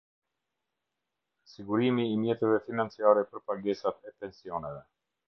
Sigurimi i mjeteve financiare për pagesat e pensioneve.